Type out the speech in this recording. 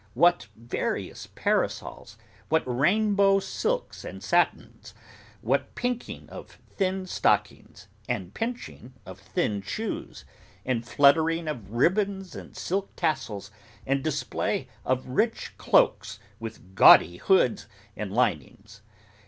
What various parasols! what rainbow silks and satins! what pinking of thin stockings, and pinching of thin shoes, and fluttering of ribbons and silk tassels, and display of rich cloaks with gaudy hoods and linings!